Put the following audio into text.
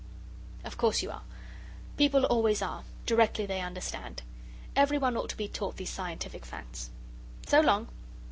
"Of course you are! People always are directly they understand. Everyone ought to be taught these scientific facts. So long!"